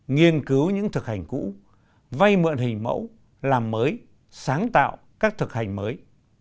nghiên cứu những thực hành cũ vay mượn hình mẫu làm mới sáng tạo các thực hành mới